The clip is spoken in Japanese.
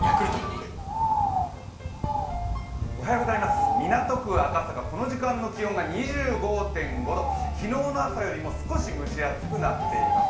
新登場港区赤坂、この時間の気温が２５．５度、昨日の朝よりも少し蒸し暑くなっています。